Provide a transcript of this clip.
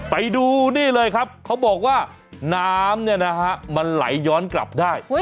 ไปดูนี่เลยครับเขาบอกว่าน้ำมันไหลย้อนกลับได้